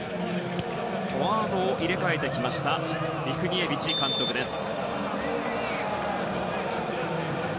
フォワードを入れ替えてきたミフニエビチ監督です。